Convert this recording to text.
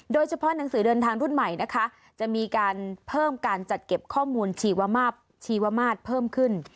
โดยเฉพาะหนังสือเดินทางรุ่นใหม่นะคะจะมีการเพิ่มการจัดเก็บข้อมูลชีวชีวมาตรเพิ่มขึ้น